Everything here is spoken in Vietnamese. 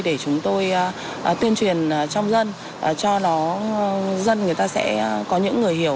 để chúng tôi tuyên truyền trong dân cho nó dân người ta sẽ có những người hiểu